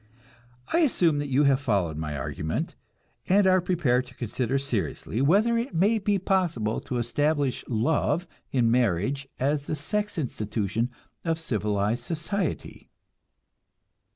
I assume that you have followed my argument, and are prepared to consider seriously whether it may be possible to establish love in marriage as the sex institution of civilized society.